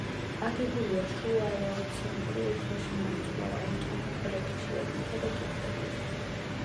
აგებულია შუაეოცენური უხეშმარცვლოვანი ტუფ-ბრექჩიებითა და ტუფებით.